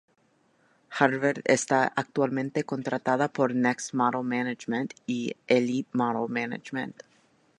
Harvard está actualmente contratada por Next Model Management y Elite Model Management.